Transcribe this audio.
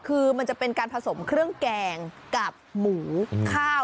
คือมันจะเป็นการผสมเครื่องแกงกับหมูข้าว